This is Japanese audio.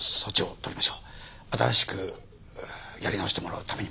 新しくやり直してもらうためにも。